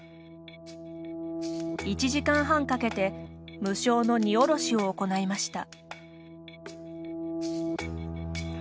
１時間半かけて無償の荷降ろしを行いました。